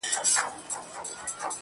خاوري دي ژوند سه، دا دی ارمان دی.